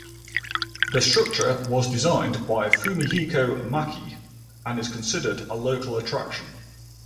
The structure was designed by Fumihiko Maki and is considered a local attraction.